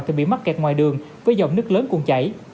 thì bị mắc kẹt ngoài đường với dòng nước lớn cùng chảy